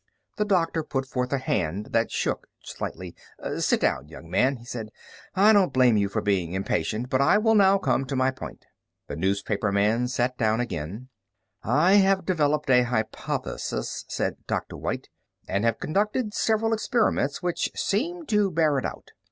The doctor put forth a hand that shook slightly. "Sit down, young man," he said. "I don't blame you for being impatient, but I will now come to my point." The newspaperman sat down again. "I have developed a hypothesis," said Dr. White, "and have conducted several experiments which seem to bear it out.